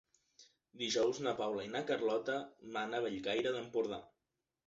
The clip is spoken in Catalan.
Dijous na Paula i na Carlota van a Bellcaire d'Empordà.